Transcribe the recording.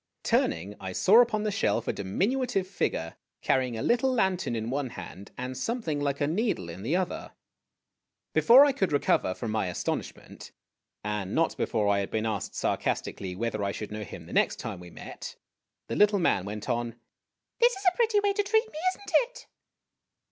Turning, I saw upon the shelf a diminutive figure carrying a little lantern in one hand, and something like a needle in the other. Before I could recover from my astonishment, and not before I had been asked sarcastically whether I should know him the next time w r e met, the little man went on :" This is a pretty way to treat me, is n't it